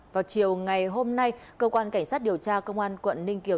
vào chiều ngày hôm nay công an cảnh sát điều tra công an quận ninh kiều